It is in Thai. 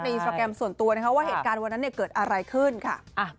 อินสตราแกรมส่วนตัวนะคะว่าเหตุการณ์วันนั้นเกิดอะไรขึ้นค่ะ